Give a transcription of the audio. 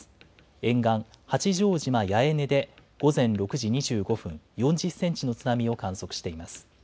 沿岸、八丈島八重根で午前６時２５分、４０センチの津波を観測しています。